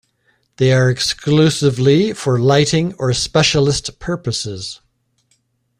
They are exclusively for lighting or specialist purposes.